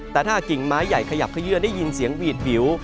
แต่ถ้ากิ่งไม้ใหญ่ขยับขยื่นได้ยินเสียงหวีดผิว